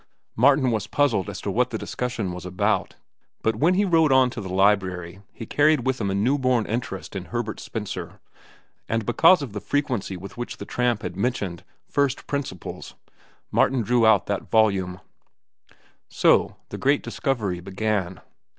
Martin was puzzled as to what the discussion was about, but when he rode on to the library he carried with him a new born interest in Herbert Spencer, and because of the frequency with which the tramp had mentioned "First Principles," Martin drew out that volume. So the great discovery began.